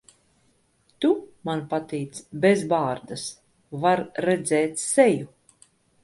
Tu man patīc bez bārdas. Var redzēt seju.